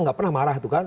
tidak pernah marah itu kan